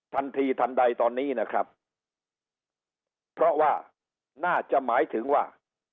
ทันทีทันใดตอนนี้นะครับเพราะว่าน่าจะหมายถึงว่า